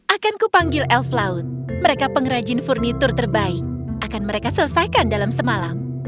akanku panggil elf laut mereka pengrajin furniture terbaik akan mereka selesaikan dalam semalam